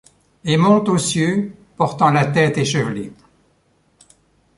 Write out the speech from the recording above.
Et monte aux cieux portant la tête échevelée